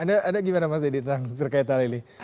anda gimana mas edi terkait hal ini